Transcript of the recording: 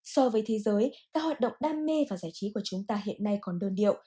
so với thế giới các hoạt động đam mê và giải trí của chúng ta hiện nay còn đơn điệu